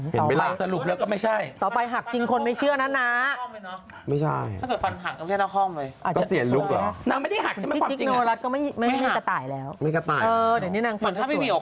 เห็นไหมล่ะต่อไปหักจริงคนไม่เชื่อนะน้าไม่ใช่ถ้าเกิดฟันหักก็ไม่ใช่นาคอล์ฟเลย